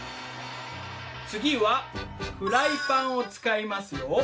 次はフライパンを使いますよ。